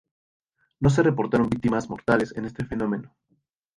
No se reportaron víctimas mortales en este fenómeno.